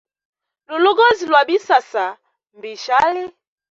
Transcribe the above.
Lulugozi lwa bisasa mbishali.